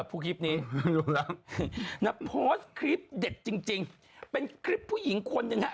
ผู้คลิปนี้ดูแล้วน่ะคลิปเด็ดจริงจริงเป็นคลิปผู้หญิงควรนะฮะ